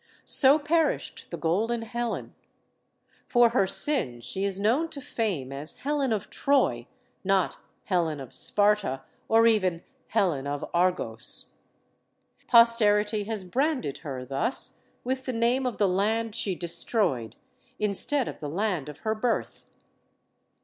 So perished the golden Helen. For her sin, she is known to fame as "Helen of Troy," not "Helen of Sparta," or even "Helen of Argos." Posterity has branded her, thus, with the name of the land she destroyed, instead of the land of her birth.